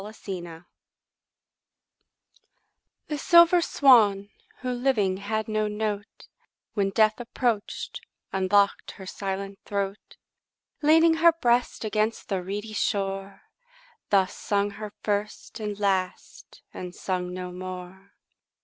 6 Autoplay The silver swan, who living had no note, When death approach'd, unlock'd her silent throat; Leaning her breast against the reedy shore, Thus sung her first and last, and sung no more.